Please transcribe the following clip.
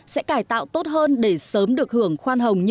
sẽ cải tạo tốt hơn để sớm được hưởng khoan hồng